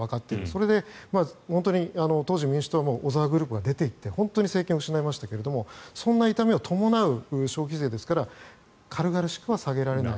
それで、本当に当時民主党も小沢グループが出ていって本当に政権を失いましたがそんな痛みを伴う消費税ですから軽々しくは下げられない。